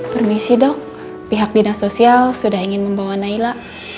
permisi dok pihak dinas sosial sudah ingin membawa naila